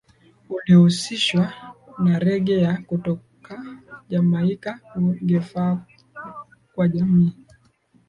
Uliohusishwa na rege ya kutoka Jamaica ungefaa kwa jamii